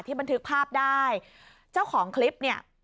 ที่มันถือกภาพได้เจ้าของคลิปนี่